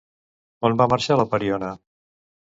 On va marxar la pariona?